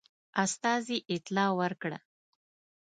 استازي اطلاع ورکړه.